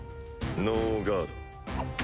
ノーガード。